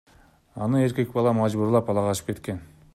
Аны эркек бала мажбурлап ала качып кеткен.